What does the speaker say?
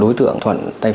đối tượng là chúng ta sắp